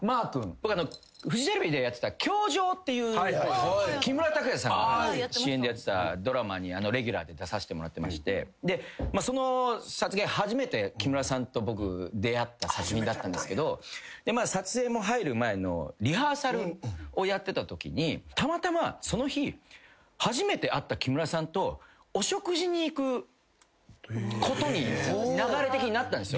僕フジテレビでやってた『教場』っていう木村拓哉さんの主演でやってたドラマにレギュラーで出させてもらってましてその撮影初めて木村さんと僕出会った作品だったんですけど撮影入る前のリハーサルをやってたときにたまたまその日。に行くことに流れ的になったんですよ。